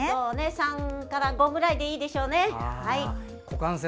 ３回から５回くらいでいいでしょうね。